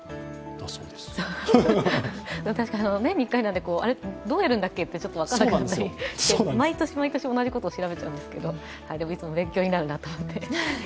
年に１回なので、どうやるんだっけとちょっと分からなくなったり、毎年毎年同じことを調べちゃうんですけど、いつも勉強になるなと思って。